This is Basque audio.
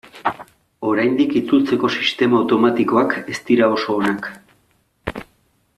Oraindik itzultzeko sistema automatikoak ez dira oso onak.